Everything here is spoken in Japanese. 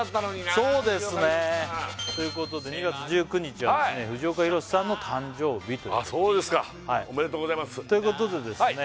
そうですねということで２月１９日はですね藤岡弘、さんの誕生日というそうですかおめでとうございますということでですね